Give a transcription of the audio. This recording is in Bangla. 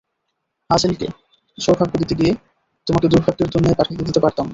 হ্যাজেলকে সৌভাগ্য দিতে গিয়ে তোমাকে দুর্ভাগ্যের দুনিয়ায় পাঠাতে দিতে পারতাম না।